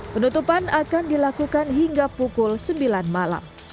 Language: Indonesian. penutupan akan dilakukan hingga pukul sembilan malam